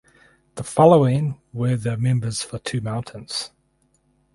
The following were the members for Two Mountains.